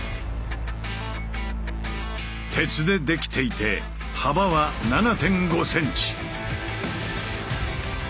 鉄でできていて幅は７．５ｃｍ。